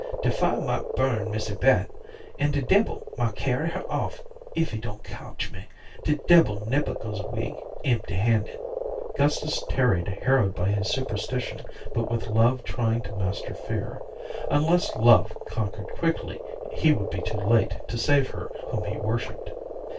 De fire might burn Missy Beth, and de debbil might carry her off if he don't kotch me. De debbil nebber goes 'way empty handed." Gustus tarried, harrowed by his superstition, but with love trying to master fear. Unless love conquered quickly, he would be too late to save her whom he worshiped.